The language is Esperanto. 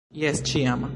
Jes, ĉiam!